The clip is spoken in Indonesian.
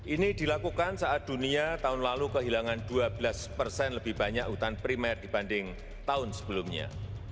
ini dilakukan saat dunia tahun lalu kehilangan dua belas persen lebih banyak hutan primer dibanding tahun sebelumnya